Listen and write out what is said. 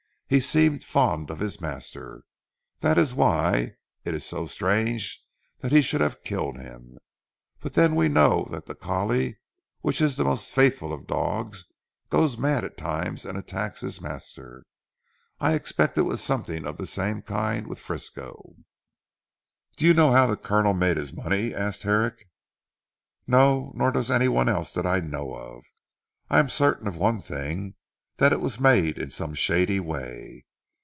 He seemed fond of his master. That is why it is so strange he should have killed him. But then we know that the collie, which is the most faithful of dogs, goes mad at times and attacks his master. I expect it was something of the same kind with Frisco." "Do you know how the Colonel made his money?" asked Herrick. "No! nor does anyone else that I know of. I am certain of one thing, that it was made in some shady way.